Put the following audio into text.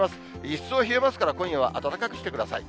一層冷えますから、今夜は暖かくしてください。